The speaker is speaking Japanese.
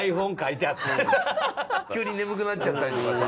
急に眠くなっちゃったりとかさ。